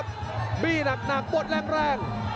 มอบมิ่หนักปตรรล่าง